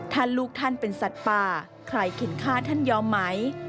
ถ้าลูกท่านเป็นสัตว์ป่าใครเข็นค่าท่านยอมไหม